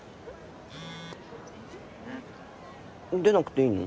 出なくていいの？